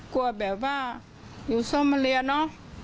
กลัวแบบว่าอยู่สมริยานะ